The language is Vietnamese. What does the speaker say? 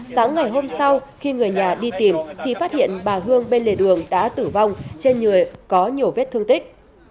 sáng ngày hôm sau khi người nhà đi tìm thì phát hiện bà hương bên lề đường đã tử vong trên người có nhiều vết thương tích